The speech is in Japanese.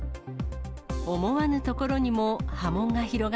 思わぬところにも波紋が広が